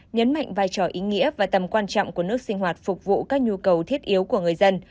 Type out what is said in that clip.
nhấn mạnh vai trò ý nghĩa và tầm quan trọng của nước sinh hoạt phục vụ các nhu cầu thiết yếu của người dân